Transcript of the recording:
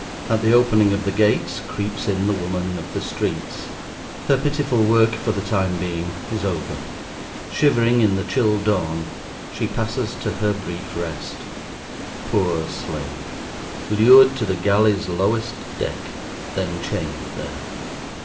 At the opening of the gates, creeps in the woman of the streets. Her pitiful work for the time being is over. Shivering in the chill dawn, she passes to her brief rest. Poor Slave! Lured to the galley's lowest deck, then chained there.